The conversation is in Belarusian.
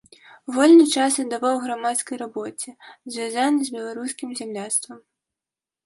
Вольны час аддаваў грамадскай рабоце, звязанай з беларускім зямляцтвам.